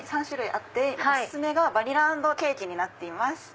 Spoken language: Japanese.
３種類あってお薦めがバニラ＆ケーキになっています。